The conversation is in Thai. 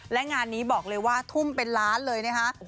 และงานนี้บอกเลยว่าทุ่มเป็นล้านเลยนะคะ